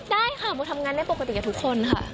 ได้ค่ะโมทำงานได้ปกติกับทุกคนค่ะ